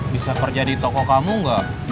bisa kerja di toko kamu nggak